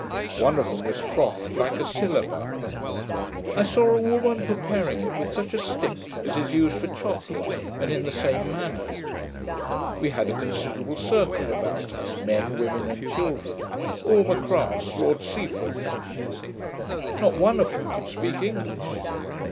One of them was frothed like a syllabub. I saw a woman preparing it with such a stick as is used for chocolate, and in the same manner. We had a considerable circle about us, men, women and children, all M'Craas, Lord Seaforth's people. Not one of them could speak English.